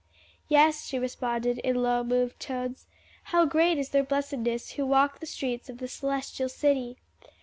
"Yes," she responded in low, moved tones, "how great is their blessedness who walk the streets of the Celestial City!